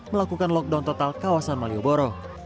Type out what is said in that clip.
melakukan lockdown total kawasan malioboro